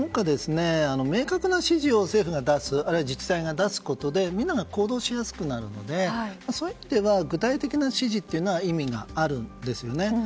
明確な指示を政府が出すあるいは自治体が出すことでみんなが行動しやすくなるのでそういう意味では具体的な指示は意味があるんですよね。